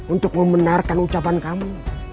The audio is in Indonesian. untuk membenarkan ucapan kamu